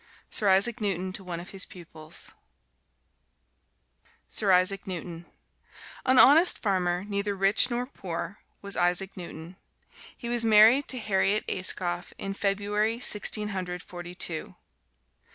Sir Isaac Newton to one of his pupils SIR ISAAC NEWTON An honest farmer, neither rich nor poor, was Isaac Newton. He was married to Harriet Ayscough in February, Sixteen Hundred Forty two.